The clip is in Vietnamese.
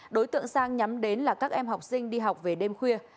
đối tượng sang nhắm đến là các em học sinh đi học về đêm khuya